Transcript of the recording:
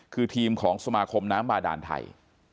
คือทีมของสมาคมน้ำบาดานไทย